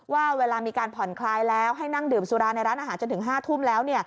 ว่าเวลามีการผ่อนคลายแล้วให้นั่งดื่มสุราในร้านอาหารจนถึง๕ทุ่มแล้ว